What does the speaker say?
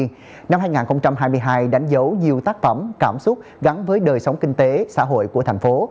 của thượng điên năm hai nghìn hai mươi hai đánh dấu nhiều tác phẩm cảm xúc gắn với đời sống kinh tế xã hội của thành phố